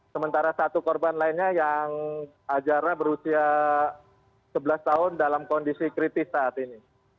sementara satu korban lainnya yang ajarna berusia sebelas tahun dalam kondisi kritis saat ini